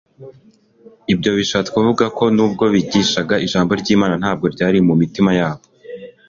Ibyo bishatse kuvuga ko nubwo bigishaga Ijambo ry'Imana, ntabwo ryari mu mitima yabo.